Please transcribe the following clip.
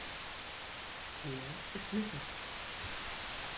Hier ist Mrs.